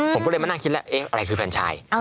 ผมก็เลยมานั่งคิดแล้วเอ๊ะอะไรคือแฟนชาย